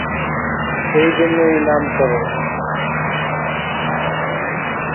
এই জন্য এই রকম নামকরণ।